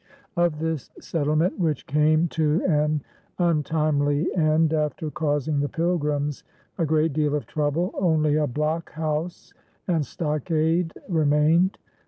Of this settlement, which came to an untimely end after causing the Pilgrims a great deal of trouble, only a blockhouse and stockade remained.